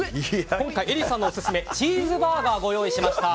今回、Ｅｒｉさんのオススメチーズバーガーをご用意しました。